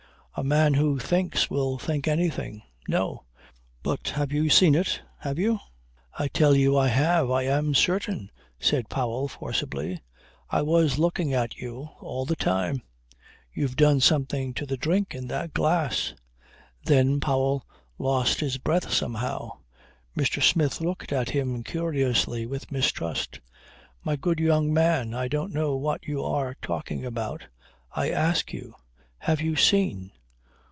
A man who thinks will think anything. No! But have you seen it. Have you?" "I tell you I have! I am certain!" said Powell forcibly. "I was looking at you all the time. You've done something to the drink in that glass." Then Powell lost his breath somehow. Mr. Smith looked at him curiously, with mistrust. "My good young man, I don't know what you are talking about. I ask you have you seen?